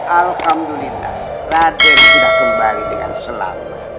alhamdulillah raden sudah kembali dengan selamat